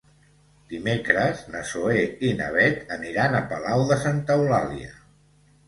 Dimecres na Zoè i na Bet aniran a Palau de Santa Eulàlia.